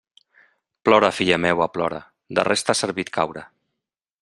Plora, filla meua, plora; de res t'ha servit caure.